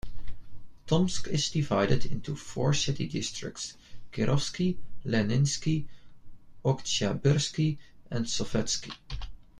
Tomsk is divided into four city districts: Kirovsky, Leninsky, Oktyabrsky, and Sovetsky.